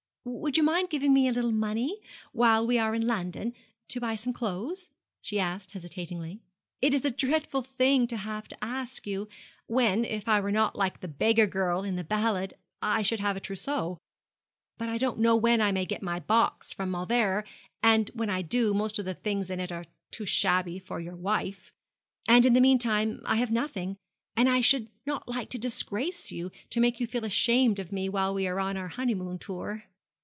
'Would you mind giving me a little money, while we are in London, to buy some clothes?' she began hesitatingly. 'It is a dreadful thing to have to ask you, when, if I were not like the beggar girl in the ballad, I should have a trousseau. But I don't know when I may get my box from Mauleverer, and when I do most of the things in it are too shabby for your wife; and in the meantime I have nothing, and I should not like to disgrace you, to make you feel ashamed of me while we are on our honeymoon tour.'